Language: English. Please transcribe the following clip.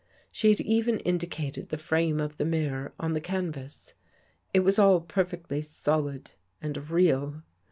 She had even indicated the frame of the mirror on the canvas. It was all per fectly solid and real.